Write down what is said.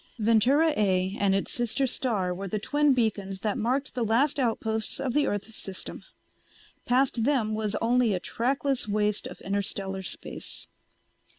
Ventura A and its sister star were the twin beacons that marked the last outposts of the Earth System. Past them was only a trackless waste of inter stellar space.